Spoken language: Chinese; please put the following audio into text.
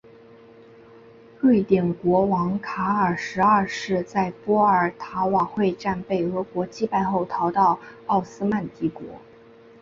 瑞典国王卡尔十二世在波尔塔瓦会战被俄国击败后逃到奥斯曼帝国。